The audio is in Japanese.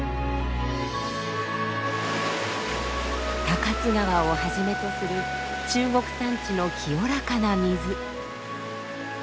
高津川をはじめとする中国山地の清らかな水。